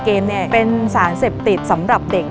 เป็นสารเสพติดสำหรับเด็ก